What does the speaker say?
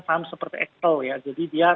sam seperti excel ya jadi dia